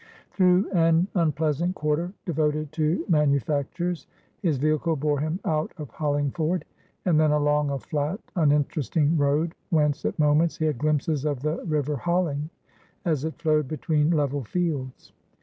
Through an unpleasant quarter, devoted to manufactures, his vehicle bore him out of Hollingford, and then along a flat, uninteresting road, whence at moments he had glimpses of the river Holling, as it flowed between level fields.